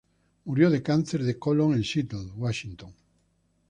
Murió de cáncer de colon en Seattle, Washington.